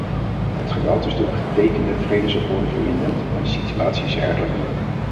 Het geweld is door de getekende vredesakkoorden verminderd, maar de situatie is erg labiel.